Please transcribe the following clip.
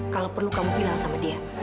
kalau perlu kamu bilang sama dia